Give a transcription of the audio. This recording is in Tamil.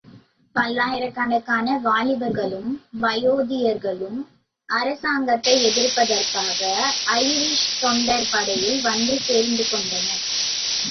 பல்லாயிரக்கணக்கான வாலிபர்களும் வயோதிகர்களும் அரசாங்கத்தை எதிர்ப்பதற்காக ஐரிஷ் தொண்டர் படையில் வந்து சேர்ந்துகொண்டனர்.